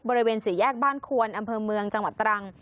บริเวณสี่แยกบ้านควนอำเภอเมืองจังหวัดตรัง